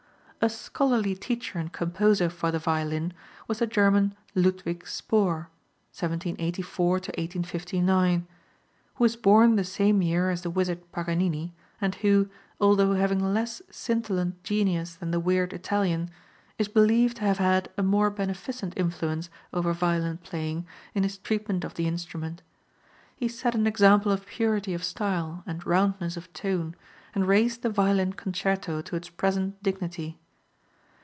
A scholarly teacher and composer for the violin was the German Ludwig Spohr (1784 1859), who was born the same year as the wizard Paganini, and who, although having less scintillant genius than the weird Italian, is believed to have had a more beneficent influence over violin playing in his treatment of the instrument. He set an example of purity of style and roundness of tone, and raised the violin concerto to its present dignity.